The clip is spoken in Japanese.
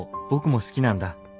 僕も好きなんだ。